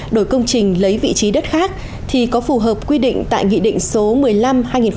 đổi công trình lấy vị trí đất khác thì có phù hợp quy định tại nghị định số một mươi năm hai nghìn một mươi